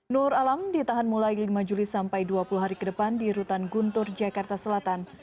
nur alam ditahan mulai lima juli sampai dua puluh hari ke depan di rutan guntur jakarta selatan